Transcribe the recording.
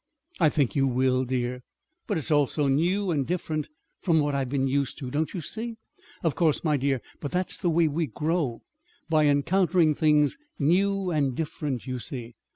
"I think you will, dear." "But it'll all be so new and and different from what I've been used to. Don't you see?" "Of course, my dear; but that's the way we grow by encountering things new and different, you see.